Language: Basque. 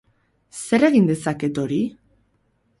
Zer egin dezaket hori?